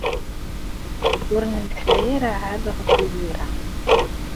Ur nemmeslay ara ɛad ɣef wugur-a.